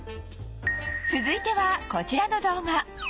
続いてはこちらの動画